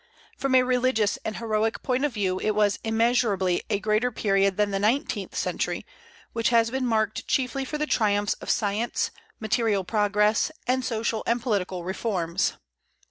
From a religious and heroic point of view it was immeasurably a greater period than the nineteenth century, which has been marked chiefly for the triumphs of science, material progress, and social and political reforms.